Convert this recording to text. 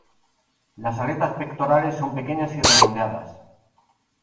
Las aletas pectorales son pequeñas y redondeadas.